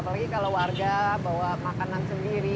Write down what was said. apalagi kalau warga bawa makanan sendiri